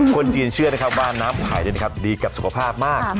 คนจีนเชื่อว่าน้ำไผ่ดีกับสุขภาพมาก